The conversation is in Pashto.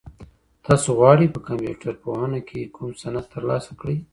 تاسو غواړئ په کمپيوټر پوهنه کي کوم سند ترلاسه کړئ؟